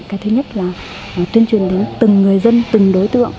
cái thứ nhất là tuyên truyền đến từng người dân từng đối tượng